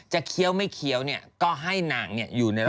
จะเคี้ยวไม่เคี้ยวก็ให้นางอยู่ระวัง